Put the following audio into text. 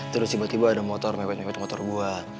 terus tiba tiba ada motor mepet mewet motor gue